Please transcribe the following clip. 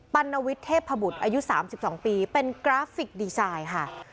รณวิทย์เทพบุตรอายุ๓๒ปีเป็นกราฟิกดีไซน์ค่ะ